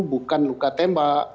bukan luka tembak